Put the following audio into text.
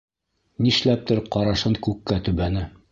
Нишләптер ҡарашын күккә төбәне.